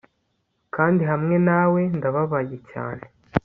kandi hamwe nawe ndababaye cyane